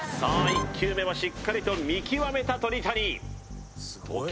１球目はしっかりと見極めた鳥谷投球